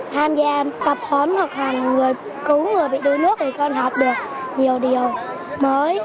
tập huấn hoạt hành người cứu người bị đuối nước thì con học được nhiều điều mới